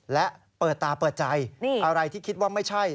และเปิดตาเปิดใจอะไรที่คิดว่าไม่ใช่